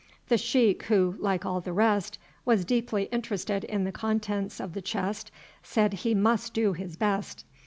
The sheik, who, like all the rest, was deeply interested in the contents of the chest, said he must do his best.